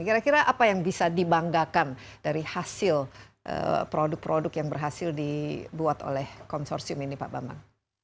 kira kira apa yang bisa dibanggakan dari hasil produk produk yang berhasil dibuat oleh konsorsium ini pak bambang